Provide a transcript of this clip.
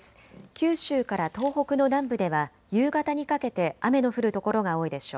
九州から東北の南部では夕方にかけて雨の降る所が多いでしょう。